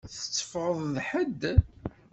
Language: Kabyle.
Tetteffɣeḍ d ḥedd?